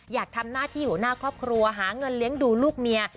อยากทำหน้าที่หัวหน้าครอบครัวหาเงินเลี้ยงดูลูกเมีย